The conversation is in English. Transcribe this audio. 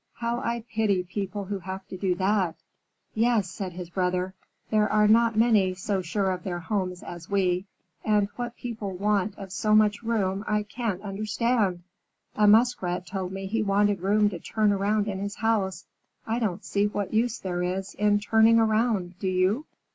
How I pity people who have to do that!" "Yes," said his brother. "There are not many so sure of their homes as we. And what people want of so much room, I can't understand! A Muskrat told me he wanted room to turn around in his house. I don't see what use there is in turning round, do you?"